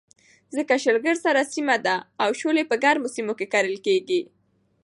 ځکه شلګر سړه سیمه ده او شولې په ګرمو سیمو کې کرلې کېږي.